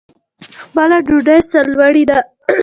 خپله ډوډۍ سرلوړي ده.